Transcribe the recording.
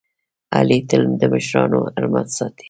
علي تل د مشرانو حرمت ساتي.